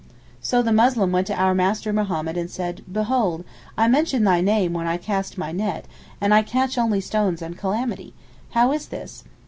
So the Muslim went to our Master Mohammed and said, 'Behold, I mention thy name when I cast my net, and I catch only stones and calamity. How is this?